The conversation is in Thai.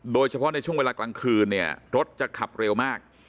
โดยเฉพาะในช่วงเวลากลางคืนเนี่ยรถจะขับเร็วมาก